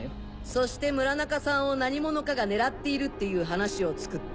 そして村中さんを何者かが狙っているっていう話を作った。